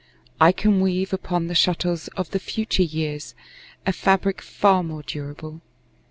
I can weave Upon the shuttles of the future years A fabric far more durable.